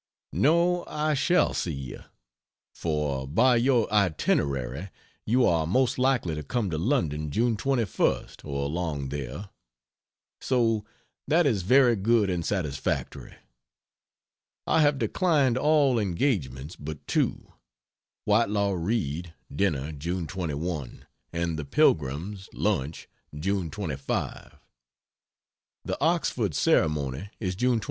No, I shall see you; for by your itinerary you are most likely to come to London June 21st or along there. So that is very good and satisfactory. I have declined all engagements but two Whitelaw Reid (dinner) June 21, and the Pilgrims (lunch), June 25. The Oxford ceremony is June 26.